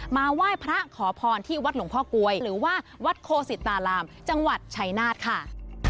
มาไหว้พระขอพรที่วัดหลวงพ่อก๊วยหรือว่าวัดโคสิตารามจังหวัดชัยนาธค่ะ